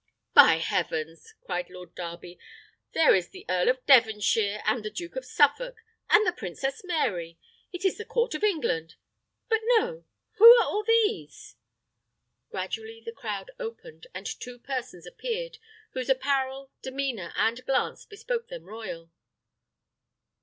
"By heavens!" cried Lord Darby, "there is the Earl of Devonshire, and the Duke of Suffolk, and the Princess Mary. It is the court of England! But no! Who are all these?" Gradually the crowd opened, and two persons appeared, whose apparel, demeanour, and glance, bespoke them royal.